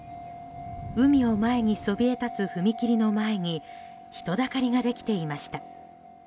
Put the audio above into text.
海を前にそびえたつ踏切の前に人だかりができていました。